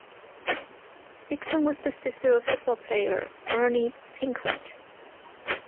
Dixon was the sister of football player Erny Pinckert.